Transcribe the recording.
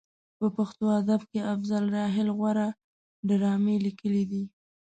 په پښتو ادب کې افضل راحل غوره ډرامې لیکلې دي.